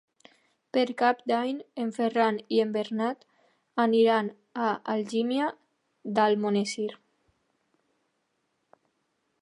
Per Cap d'Any en Ferran i en Bernat aniran a Algímia d'Almonesir.